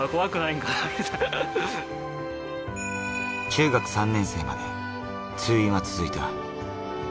中学３年生まで通院は続いた。